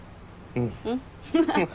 うん。